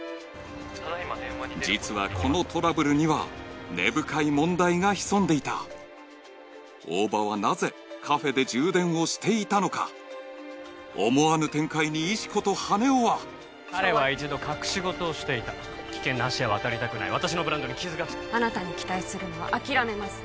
実はこのトラブルには根深い問題が潜んでいた大庭はなぜカフェで充電をしていたのか思わぬ展開に石子と羽男は彼は一度隠し事をしていた危険な橋は渡りたくない私のブランドに傷がつくあなたに期待するのは諦めます